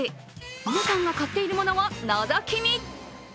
皆さんが買っているものをのぞき見。